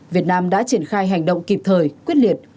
việt nam đã triển khai hành động kịp thời quyết liệt